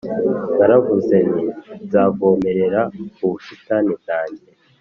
Naravuze nti «Nzavomerera ubusitani bwanjye,